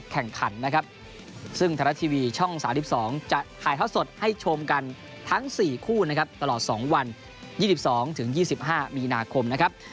ขายเท้าสดให้ชมกันทั้ง๔คู่ตลอด๒วัน๒๒๒๕มีนาคม